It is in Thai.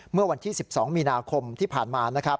เมื่อวันที่๑๒มีนาคมที่ผ่านมานะครับ